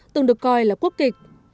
từng được coi là quốc kịch